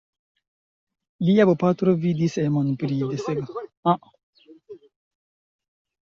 Lia bopatro vidis emon pri desegnaĵoj, tial la infano frekventis artan mezlernejon, poste ĉeflernejon.